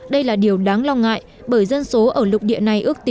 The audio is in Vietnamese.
đây là điều đáng lo ngại bởi dân số ở lục địa này ước tính